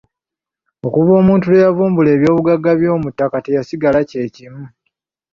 Okuva omuntu lwe yavumbula ebyobugagga eby'omuttaka teyasigala kye kimu.